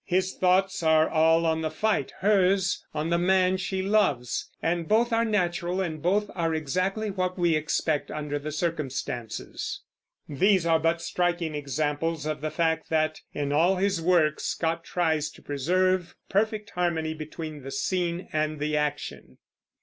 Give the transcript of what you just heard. His thoughts are all on the fight; hers on the man she loves; and both are natural, and both are exactly what we expect under the circumstances. These are but striking examples of the fact that, in all his work, Scott tries to preserve perfect harmony between the scene and the action.